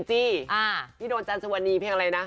พี่โดนจันทร์สวรรณีเพียงอะไรนะ